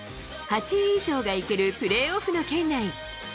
８位以上が行けるプレーオフの圏内。